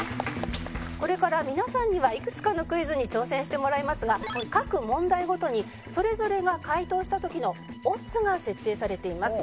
これから皆さんにはいくつかのクイズに挑戦してもらいますが各問題ごとにそれぞれが解答した時のオッズが設定されています。